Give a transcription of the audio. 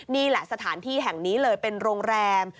นี่แหละสถานที่แห่งนี้เลยเป็นโรงแรม